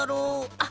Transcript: あっ！